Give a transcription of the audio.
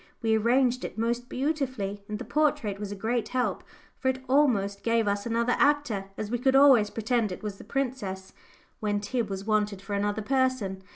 We arranged it most beautifully, and the portrait was a great help, for it almost gave us another actor, as we could always pretend it was the princess, when Tib was wanted for another person.